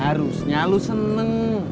harusnya lo seneng